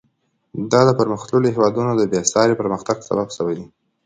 دا د پرمختللو هېوادونو د بېساري پرمختګ سبب شوې ده.